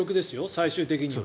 最終的は。